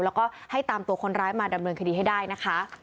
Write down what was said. แล้วก็ให้ตามตัวคนร้ายมาดำเนินคดีให้ได้นะคะ